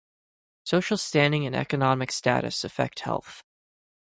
Social standing and economic status affect health.